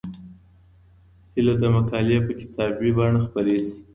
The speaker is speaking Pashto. هيله ده مقالې په کتابي بڼه خپرې سي.